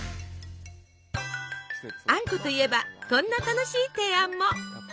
あんこといえばこんな楽しい提案も。